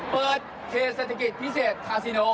เปิดเคสศัตริกิจพิเศษทาซิโน